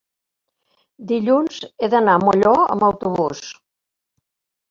dilluns he d'anar a Molló amb autobús.